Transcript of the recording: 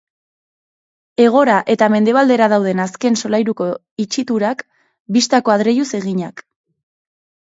Hegora eta mendebaldera dauden azken solairuko itxiturak, bistako adreiluz eginak.